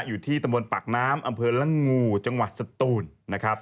อยู่ที่ตำบลปากน้ำอำเภอละงูจังหวัดสตูนนะครับ